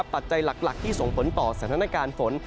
ปัจจัยหลักที่ส่งผลต่อสถานการณ์ฝน